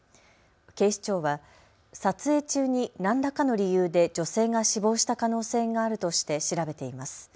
警視庁は撮影中に何らかの理由で女性が死亡した可能性があるとして調べています。